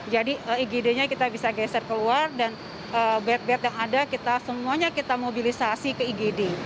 jadi igd nya kita bisa geser keluar dan bed bed yang ada kita semuanya kita mobilisasi ke igd